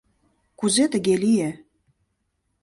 — Кузе тыге лие?!